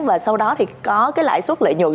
và sau đó thì có cái lãi suất lợi nhuận